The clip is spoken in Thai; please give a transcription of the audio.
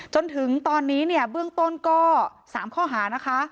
จนถึงตอนนี้เนี่ยเบื้องต้นก็๓ข้อหานะคะ